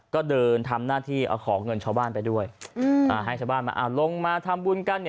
ก็เดินทำหน้าที่เอาของเงินชาวบ้านไปด้วยให้ชาวบ้านมาลงมาทำบุญกัน